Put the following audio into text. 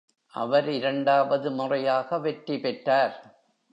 அவர் இரண்டாவது முறையாக வெற்றி பெற்றார்.